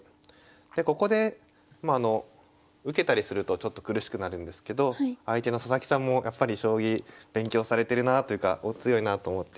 でここでまああの受けたりするとちょっと苦しくなるんですけど相手の佐々木さんもやっぱり将棋勉強されてるなというかお強いなと思って。